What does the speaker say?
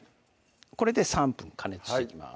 これで３分加熱していきます